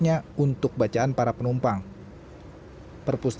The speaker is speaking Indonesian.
bapak saya ingin membaca buku ini